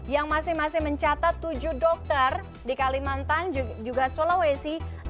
yang masing masing mencatat tujuh dokter di kalimantan juga sulawesi